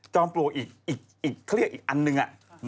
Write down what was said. จอมปลวอีกอันนึง